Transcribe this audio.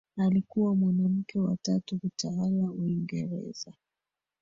alikuwa mwanamke wa tatu kutawala uingereza